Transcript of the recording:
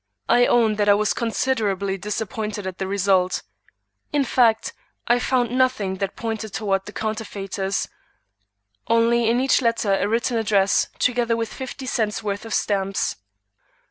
I own that I was considerably disappointed at the result. In fact, I found nothing that pointed toward the counterfeiters; only in each letter a written address, together with fifty cents' worth of stamps.